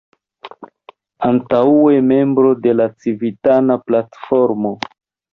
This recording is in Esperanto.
Antaŭe membro de la Civitana Platformo.